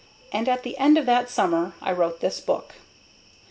And at the end of that summer I wrote this book.